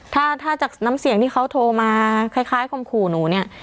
ถ้าถ้าจากน้ำเสียงที่เขาโทรมาคล้ายคมขู่หนูเนี่ย